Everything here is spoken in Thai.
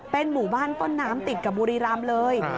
เป็นหมู่บ้านต้นน้ำติดกับบุรีรำเลย